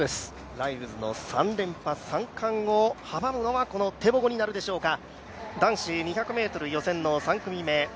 ライルズの３連覇を阻むのがこのテボゴになるでしょうか。